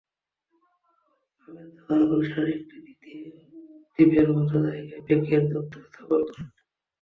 আবেদ তখন গুলশানের একটি দ্বীপের মতো জায়গায় ব্র্যাকের দপ্তর স্থাপন করেন।